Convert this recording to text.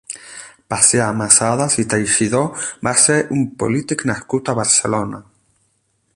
Pacià Masadas i Teixidó va ser un polític nascut a Barcelona.